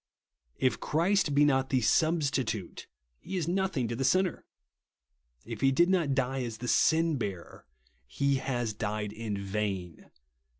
If Christ be not the Substitute, he is nothing to the sinner. If he did not die as the Sinheaver, he has died in vain.